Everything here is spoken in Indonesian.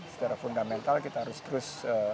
secara fundamental kita harus terus